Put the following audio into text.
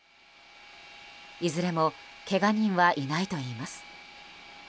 いずれも怪我人はいないといいます。